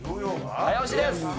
早押しです。